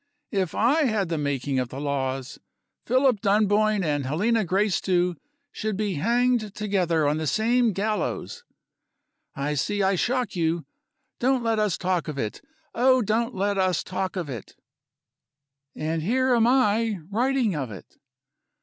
If I had the making of the laws, Philip Dunboyne and Helena Gracedieu should be hanged together on the same gallows. I see I shock you. Don't let us talk of it! Oh, don't let us talk of it!" And here am I writing of it!